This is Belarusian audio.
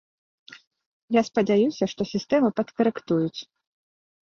Я спадзяюся, што сістэму падкарэктуюць.